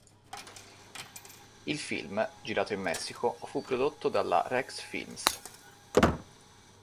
Il film, girato in Messico, fu prodotto dalla Rex Films.